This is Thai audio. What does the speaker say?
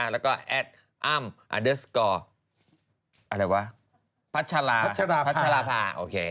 แล้วก็แอดอันเดอร์สกอร์อะไรวะพัชลาพา